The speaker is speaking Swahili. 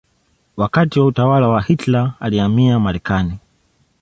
Wakati wa utawala wa Hitler alihamia Marekani.